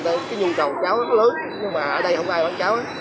cái nhu cầu cháo rất lớn nhưng mà ở đây không ai bán cháo